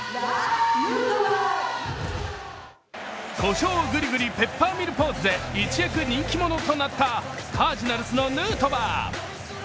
こしょうグリグリペッパーミルポーズで一躍人気者となったカージナルスのヌートバー。